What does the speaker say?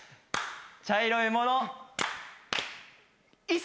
茶色いもの。